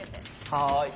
はい。